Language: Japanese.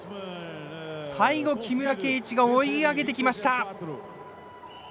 最後木村敬一が追い上げてきました。